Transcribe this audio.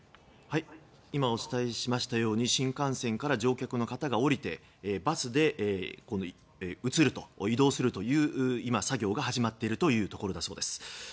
今、お伝えしましたように新幹線から乗客の方が降りてバスで移動するという作業が始まっているところだということです。